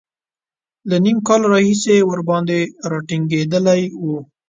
له نیم کال راهیسې ورباندې را ټینګېدلی و.